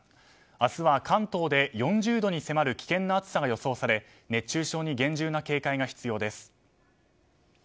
明日は関東で４０度に迫る危険な暑さが予想され熱中症に厳重な警戒が必要です。